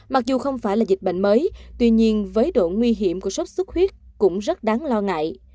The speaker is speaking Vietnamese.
mặc dù không phải là dịch bệnh mới tuy nhiên với độ nguy hiểm của sốt xuất huyết cũng rất đáng lo ngại